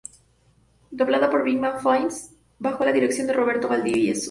Doblada por Big Bang Films, bajo la dirección de Roberto Valdivieso.